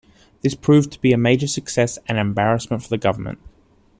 This proved to be a major success and an embarrassment for the government.